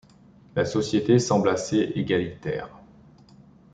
La société semble assez égalitaire.